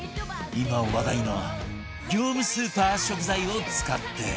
今話題の業務スーパー食材を使って